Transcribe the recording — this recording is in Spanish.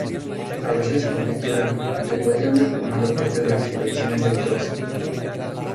A veces se conjetura que podría haber formado parte de las expediciones de Eudoxo.